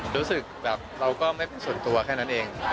รู้สึกแบบเราก็ไม่เป็นส่วนตัวแค่นั้นเอง